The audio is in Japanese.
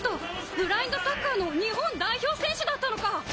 ブラインドサッカーの日本代表選手だったのか！